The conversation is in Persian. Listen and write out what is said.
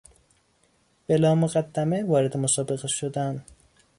بلامقدمه وارد مسابقه شدن